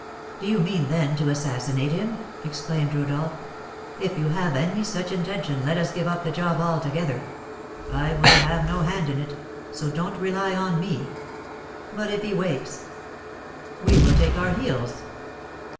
"Do you mean, then, to assassinate him?" exclaimed Rodolph. "If you have any such intention, let us give up the job altogether; I will have no hand in it, so don't rely on me " "But if he wakes?" "We will take to our heels."